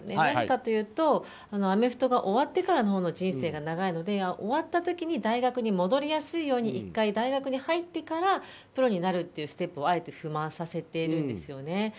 なぜかというとアメフトが終わってからの人生のほうが長いので終わった時に大学に戻りやすいように１回、大学に入ってからプロになるというステップをあえて踏ませているんですよね。